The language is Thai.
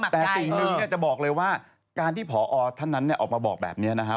แต่สิ่งหนึ่งจะบอกเลยว่าการที่ผอท่านนั้นออกมาบอกแบบนี้นะฮะ